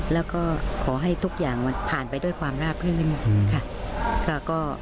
แล้วก็ขอให้ทุกอย่างมันผ่านไปด้วยความราบรื่นค่ะ